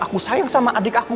aku sayang sama adik aku